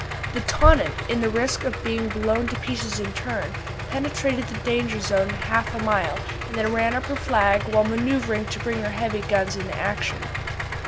The Tonnant, at the risk of being blown to pieces in turn, penetrated the danger zone half a mile, and then ran up her flag while manoeuvring to bring her heavy guns into action.